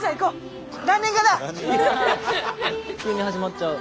急に始まっちゃう。